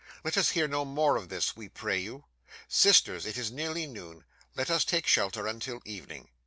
Let us hear no more of this, we pray you. Sisters, it is nearly noon. Let us take shelter until evening!"